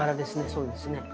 そうですね。